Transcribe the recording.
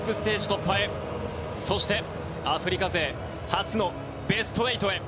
突破へそして、アフリカ勢初のベスト８へ。